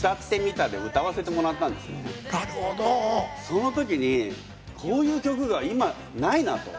その時にこういう曲が今ないなと。